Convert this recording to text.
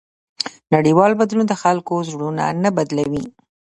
نړیوال بدلون د خلکو زړونه نه بدلوي.